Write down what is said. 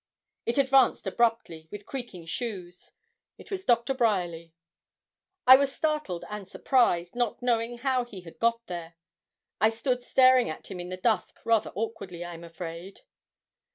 It advanced abruptly, with creaking shoes; it was Doctor Bryerly. I was startled and surprised, not knowing how he had got there. I stood staring at him in the dusk rather awkwardly, I am afraid.